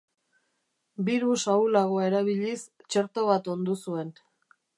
Birus ahulagoa erabiliz, txerto bat ondu zuen.